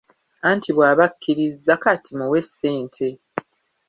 Anti bw’aba akkirizza kati muwe ssente.